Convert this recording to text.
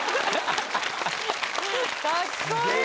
かっこいい！